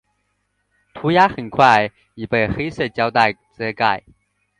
涂鸦很快已被黑色胶袋遮盖。